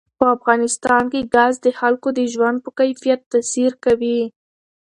په افغانستان کې ګاز د خلکو د ژوند په کیفیت تاثیر کوي.